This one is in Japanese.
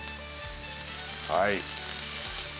はい。